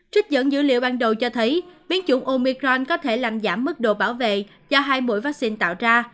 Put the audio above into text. trích dẫn dữ liệu ban đầu cho thấy biến chủng omicron có thể làm giảm mức độ bảo vệ do hai mũi vaccine tạo ra